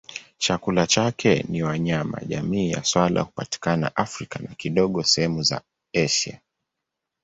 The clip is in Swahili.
Chakula chake ni wanyama jamii ya swala hupatikana Afrika na kidogo sehemu za Asia.